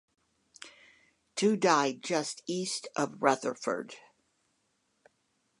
Two died just east of Rutherford.